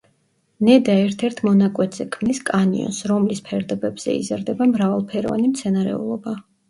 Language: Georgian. ნედა ერთ-ერთ მონაკვეთზე ქმნის კანიონს, რომლის ფერდობებზე იზრდება მრავალფეროვანი მცენარეულობა.